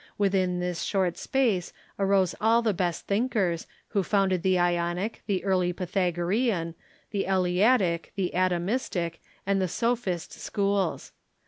Within this short space arose all the sbest thinkers, who founded the Ionic, the early Pythago rean, the Eleatic, the Atomistic, and the Sophist schools.